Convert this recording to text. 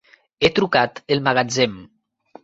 He trucat el magatzem.